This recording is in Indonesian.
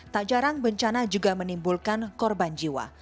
tak jarang bencana juga menimbulkan korban jiwa